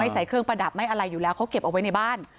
ใส่เครื่องประดับไม่อะไรอยู่แล้วเขาเก็บเอาไว้ในบ้าน